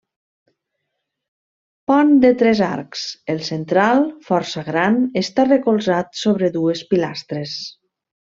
Pont de tres arcs, el central, força gran, està recolzat sobre dues pilastres.